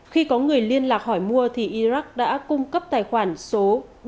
khi có người liên lạc hỏi mua thì iraq đã cung cấp tài khoản số bảy trăm bảy mươi nghìn ba trăm hai mươi